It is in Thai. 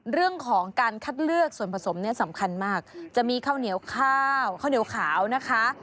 เรื่องของการคัดเลือกส่วนผสมเนี่ยสำคัญมากจะมีข้าวเหนียวข้าวข้าวเหนียวขาวนะคะ